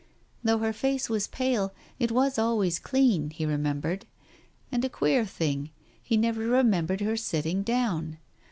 Though her face was pale it was always clean, he remem bered. And a queer thing — he never remembered her sit ting down.